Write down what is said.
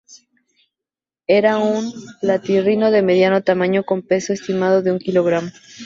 Era un platirrino de mediano tamaño, con peso estimado de un kilogramo.